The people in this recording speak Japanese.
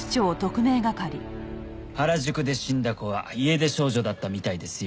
原宿で死んだ子は家出少女だったみたいですよ。